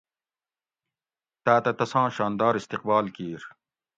تاتہ تساں شاندار استقبال کیر